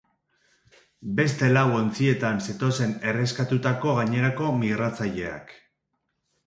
Beste lau ontzietan zetozen erreskatatutako gainerako migratzaileak.